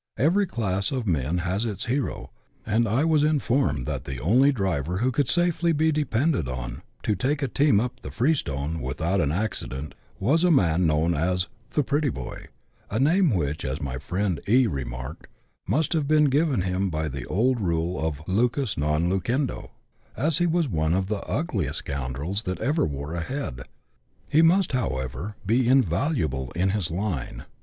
Every class of men has its hero, and \ was informed that the only driver who could safely be depended on to take a team up " the Freestone" without an accident was a man known as " the pretty boy," a name which, as my friend E 136 BUSH LIFE IN AUSTRALIA. [chap, xii remarked, must have been given him by the old rule of " lucus a non lucendo," as he was one of the ugliest scoundrels that ever wore a head. He must, however, be invaluable in his line.